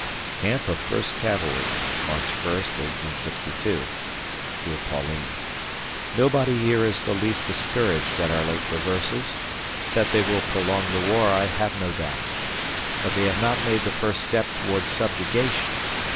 Camp of 1st Cavalry, March 1, 1862. Dear Pauline: Nobody here is the least discouraged at our late reverses; that they will prolong the war I have no doubt. But they have not made the first step towards subjugation.